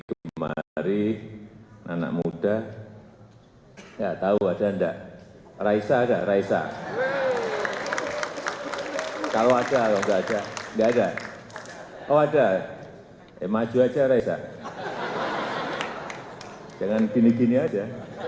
oh ada eh maju aja raisa jangan gini gini aja